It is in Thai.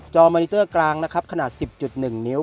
อมอนิเตอร์กลางนะครับขนาด๑๐๑นิ้ว